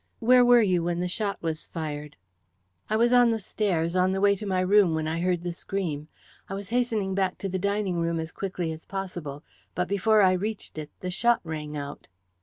"Where were you when the shot was fired?" "I was on the stairs, on the way to my room when I heard the scream. I was hastening back to the dining room as quickly as possible, but before I reached it the shot rang out."